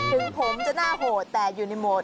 ถึงผมจะน่าโหดแต่อยู่ในโหมด